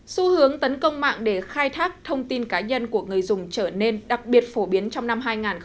xu hướng tấn công mạng để khai thác thông tin cá nhân của người dùng trở nên đặc biệt phổ biến trong năm hai nghìn hai mươi